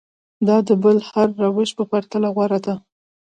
دا د بل هر روش په پرتله غوره ده.